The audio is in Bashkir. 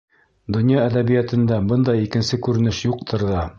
Донъя әҙәбиәтендә бындай икенсе күренеш юҡтыр ҙа.